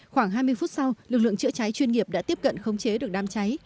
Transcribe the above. khoảng hai mươi phút sau lực lượng chữa cháy chuyên nghiệp đã tiếp cận khống chế được đám cháy